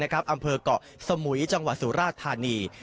อำเภอกเกาะสมุยจังหวัดสุราธานี